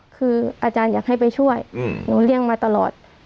คืออาจารย์อยากให้ไปช่วยหนูเลี่ยงมาตลอด